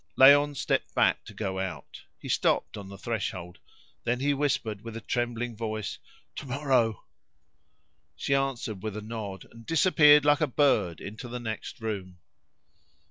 Léon stepped back to go out. He stopped on the threshold; then he whispered with a trembling voice, "Tomorrow!" She answered with a nod, and disappeared like a bird into the next room.